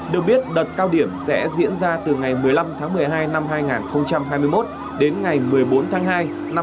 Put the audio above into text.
được biết đợt cao điểm sẽ diễn ra từ ngày một mươi năm tháng một mươi hai năm hai nghìn hai mươi một đến ngày một mươi bốn tháng hai năm hai nghìn hai mươi